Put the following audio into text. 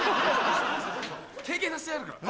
経験させてやるから。